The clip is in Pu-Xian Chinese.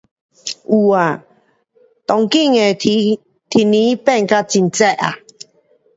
嘩!當今天氣变得很熱